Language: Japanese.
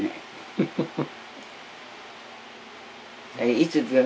フフフフ。